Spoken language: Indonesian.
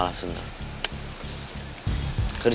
untuk setelkan free